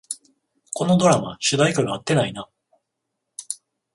このドラマ、主題歌が合ってないな